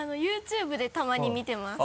ＹｏｕＴｕｂｅでたまに見てます。